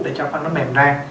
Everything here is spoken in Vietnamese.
để cho phân nó mềm rang